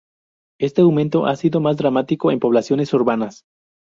Este aumento ha sido más dramático en poblaciones urbanas.